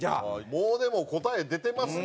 もうでも答え出てますね